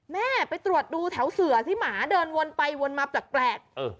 แม่ไปตรวจดูแถวเสือที่หมาเดินวนไปวนมาปลากแปลกเออ